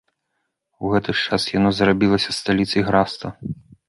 У гэты ж час яно зрабілася сталіцай графства.